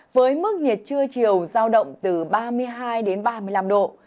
với mức nhiệt trưa chiều giao động từ ba mươi hai đến ba mươi năm độ